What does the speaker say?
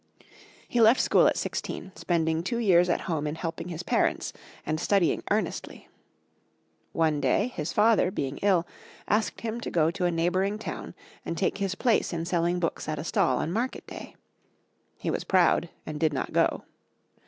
He left school at sixteen, spending two years at home in helping his parents, and studying earnestly. One day, his father, being ill, asked him to go to a neighboring town and take his place in selling books at a stall on market day. He was proud, and did not go.